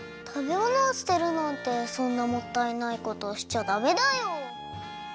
たべものを捨てるなんてそんなもったいないことしちゃダメだよ。